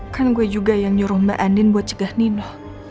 kan gue juga yang nyuruh mbak andin buat cegah nino